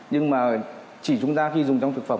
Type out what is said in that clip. nhưng mà chỉ chúng ta khi dùng trong thực phẩm